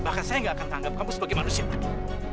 bahkan saya gak akan anggap kamu sebagai manusia lagi